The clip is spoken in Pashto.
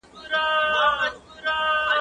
ته ولي سندري اورې،